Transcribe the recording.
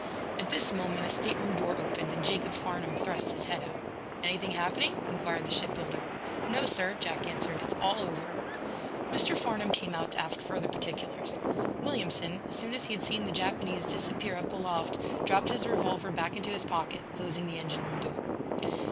At this moment a stateroom door opened and Jacob Farnum thrust his head out. "Anything happening?" inquired the ship builder. "No, sir," Jack answered. "It's all over." Mr. Farnum came out, to ask further particulars. Williamson, as soon as he had seen the Japanese disappear up aloft, dropped his revolver back into his pocket, closing the engine room door.